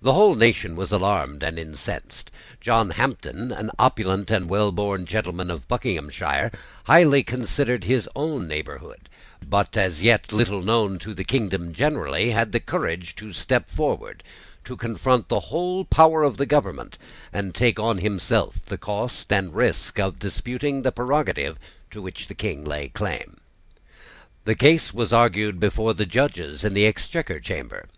The whole nation was alarmed and incensed. John Hampden, an opulent and well born gentleman of Buckinghamshire, highly considered in his own neighbourhood, but as yet little known to the kingdom generally, had the courage to step forward, to confront the whole power of the government, and take on himself the cost and the risk of disputing the prerogative to which the King laid claim. The case was argued before the judges in the Exchequer Chamber.